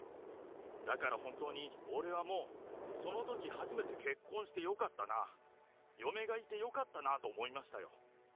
だから本当に、俺はもう、そのとき初めて、結婚してよかったな、嫁がいてよかったなあと思いましたよ。